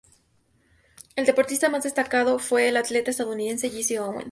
El deportista más destacado fue el atleta estadounidense Jesse Owens.